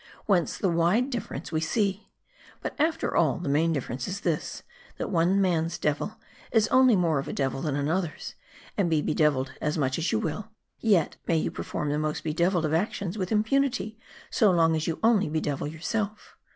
Whence, the wide difference we see. But after all, the main difference is this : that one man's devil is only more of a devil than another's ; and be bedeviled as much as you will ; yet, may you perform the most bedeviled of actions with impunity, so long as you only bedevil yourself.